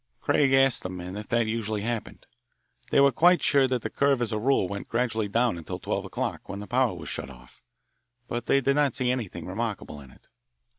Craig asked the men if that usually happened. They were quite sure that the curve as a rule went gradually down until twelve o'clock, when the power was shut off. But they did not see anything remarkable in it.